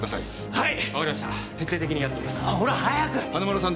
はい。